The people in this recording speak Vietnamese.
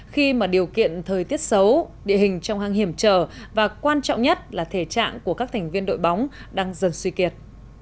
khi mà điều kiện thời tiết xấu địa hình trong hang hiểm trở và quan trọng nhất là thể trạng của các thành viên đội bóng đang dần suy kiệt